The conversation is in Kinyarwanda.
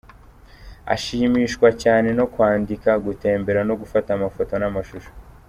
Ashimishwa cyane no kwandika, gutembera no gufata amafoto n’amashusho.